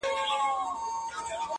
دوی به هم پر یوه بل سترګي را سرې کړي!.